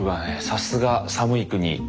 さすが寒い国。